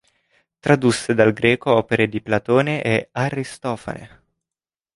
Tradusse dal greco opere di Platone e Aristofane.